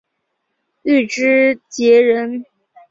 禹之谟人。